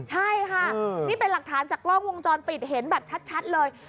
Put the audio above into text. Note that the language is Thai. ใช่ค่ะนี่เป็นหลักฐานจากกล้องวงจรปิดเห็นแบบชัดเลย